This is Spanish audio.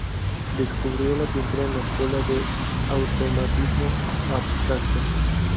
Descubrió la pintura en la escuela de automatismo abstracto.